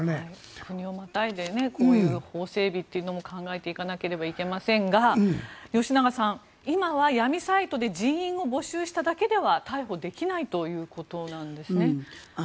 国をまたいでこういう法整備も考えていかないといけませんが吉永さん、今は闇サイトで人員を募集しただけでは逮捕できないということなんですね。